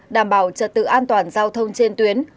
đảm bảo trật tự an toàn giao thông trên tuyến